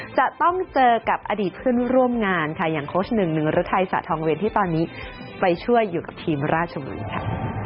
จะต้องเจอกับอดีตเพื่อนร่วมงานค่ะอย่างโค้ชหนึ่งหนึ่งฤทัยสาธองเวรที่ตอนนี้ไปช่วยอยู่กับทีมราชบุรีค่ะ